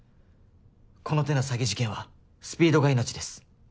この手の詐欺事件はスピードが命です。